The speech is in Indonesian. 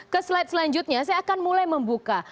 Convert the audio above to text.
ke slide selanjutnya saya akan mulai membuka